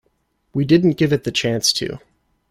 We didn't give it the chance to.